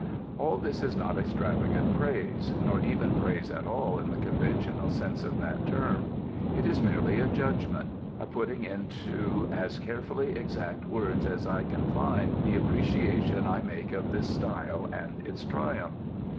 All this is not extravagant praise, nor even praise at all in the conventional sense of that term. It is merely a judgment: a putting into as carefully exact words as I can find the appreciation I make of this style and its triumph.